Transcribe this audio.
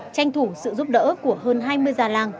tranh thủ sự giúp đỡ của hơn hai mươi già làng